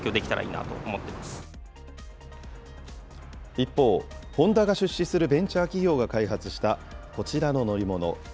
一方、ホンダが出資するベンチャー企業が開発したこちらの乗り物。